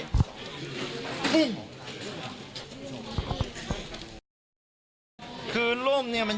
แล้วถ้าคุณชุวิตไม่ออกมาเป็นเรื่องกลุ่มมาเฟียร์จีน